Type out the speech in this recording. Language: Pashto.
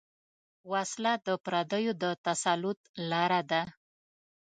وسله د پردیو د تسلط لاره ده